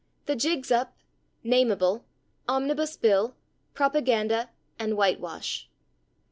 /the jig's up/, /nameable/, /omnibus bill/, /propaganda/ and /whitewash